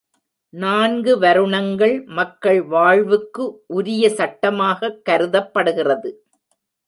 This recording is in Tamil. நான்கு வருணங்கள், மக்கள் வாழ்வுக்கு உரிய சட்டமாகக் கருதப்படுகிறது.